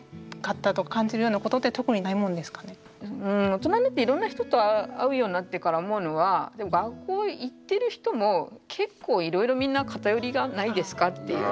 大人になっていろんな人と会うようになってから思うのは学校行ってる人も結構いろいろみんな偏りがないですかっていう。